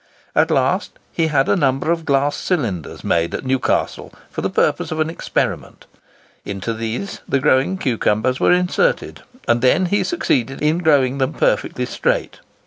At last he had a number of glass cylinders made at Newcastle, for the purpose of an experiment; into these the growing cucumbers were inserted, and then he succeeded in growing them perfectly straight.